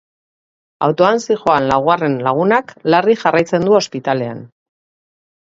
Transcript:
Autoan zihoan laugarren lagunak larri jarraitzen du ospitalean.